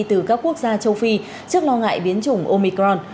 từ các quốc gia châu phi trước lo ngại biến chủng omicron